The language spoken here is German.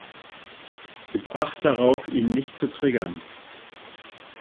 Gib Acht darauf, ihn nicht zu triggern.